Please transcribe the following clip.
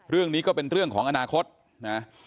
เรื่องนี้ก็เป็นเรื่องของอนาคตนะ